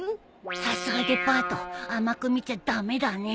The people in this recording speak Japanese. さすがデパート甘く見ちゃ駄目だね